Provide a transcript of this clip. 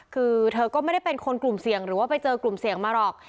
คือเธอก็ไม่ได้เป็นคนกลุ่มเสี่ยงหรือว่าไปเจอกลุ่มเสี่ยงมาหรอก